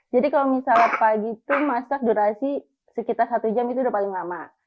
jadi kalau misalnya pagi itu masak durasi sekitar satu jam itu udah paling lama